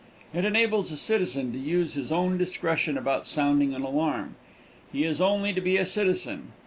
It enables a citizen to use his own discretion about sounding an alarm. He has only to be a citizen.